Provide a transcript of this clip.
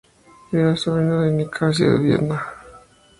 Era sobrino de Nicasio de Biedma.